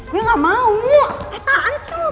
gue gak mau apaan sih lo